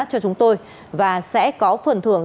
cho chúng tôi và sẽ có phần thưởng